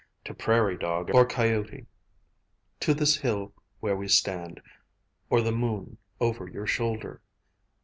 To prairie dog or coyote. To this hill where we stand, Or the moon over your shoulder